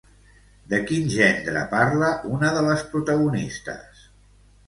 De quin gendre parla una de les protagonistes?